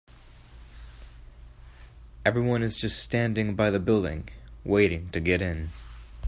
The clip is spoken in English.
Everyone is just standing by the building, waiting to get in.